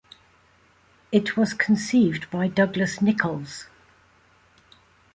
It was conceived by Douglas Nicholls.